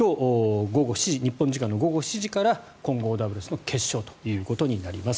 日本時間の今日午後７時から混合ダブルスの決勝ということになります。